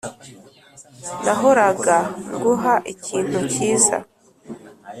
nahoraga nguha ikintu cyiza